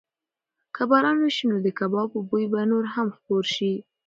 که باران وشي نو د کبابو بوی به نور هم خپور شي.